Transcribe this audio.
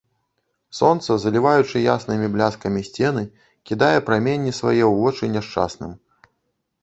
Сонца, заліваючы яснымі бляскамі сцены, кідае праменні свае ў вочы няшчасным.